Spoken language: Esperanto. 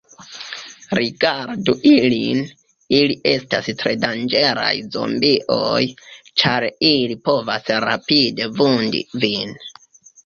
Rigardu ilin, ili estas tre danĝeraj zombioj, ĉar ili povas rapide vundi vin.